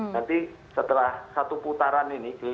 nanti setelah satu putaran ini